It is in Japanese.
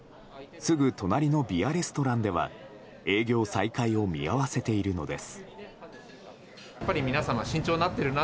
すぐ隣のビアレストランでは営業再開を見合わせているのです。